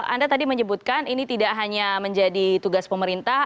anda tadi menyebutkan ini tidak hanya menjadi tugas pemerintah